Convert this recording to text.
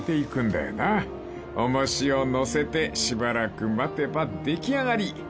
［重しを載せてしばらく待てば出来上がり！］